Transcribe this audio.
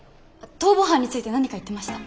逃亡犯について何か言ってました？